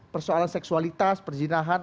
persoalan seksualitas perzinahan